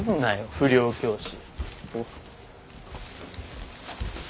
不良教師。